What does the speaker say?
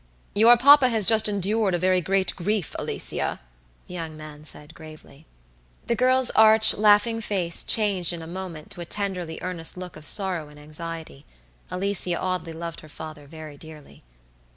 "Your papa has just endured a very great grief, Alicia," the young man said, gravely. The girl's arch, laughing face changed in a moment to a tenderly earnest look of sorrow and anxiety. Alicia Audley loved her father very dearly.